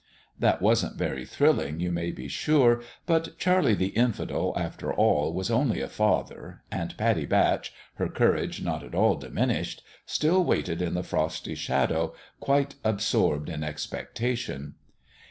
That wasn't very thrilling, you may be sure ; but Charlie the Infidel, after all, was only a father, and Pattie Batch, her courage not at all diminished, still waited in the frosty shadow, quite absorbed in expectation.